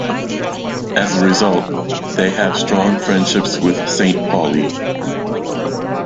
As a result, they have strong friendships with Saint Pauli.